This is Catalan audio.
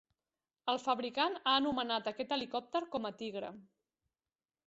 El fabricant ha anomenat aquest helicòpter com a "tigre".